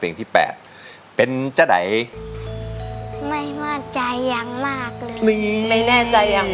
ที่แปดเป็นเจ้าไหนไม่มั่นใจอย่างมากเลยไม่แน่ใจอย่าง